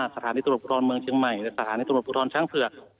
สถานการณ์ธนโรคกรณ์เมืองเชียงใหม่หรือชั้นเผื่อ